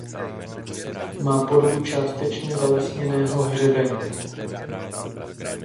Má podobu částečně zalesněného hřebenu.